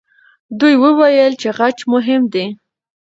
دوی وویل چې خج مهم دی.